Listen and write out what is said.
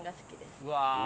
うわ。